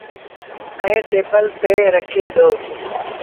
ائيٚݩ ٽيبل تي رکي دو۔